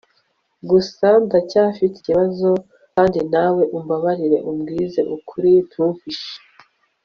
gusa ndacyafite ikibazo kandi nawe umbabarire umbwize ukuri ntumpishe